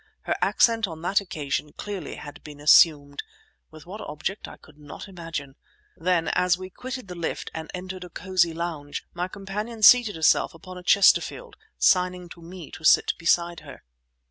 Her accent on that occasion clearly had been assumed, with what object I could not imagine. Then, as we quitted the lift and entered a cosy lounge, my companion seated herself upon a Chesterfield, signing to me to sit beside her.